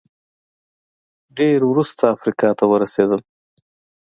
ډېر وروسته افریقا ته ورسېدل